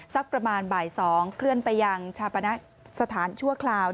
สักประมาณบ่าย๒เคลื่อนไปยังชาปณะสถานชั่วคราว